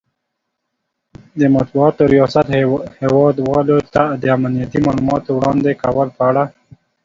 ،د مطبوعاتو ریاست هیواد والو ته د امنیتي مالوماتو وړاندې کولو په اړه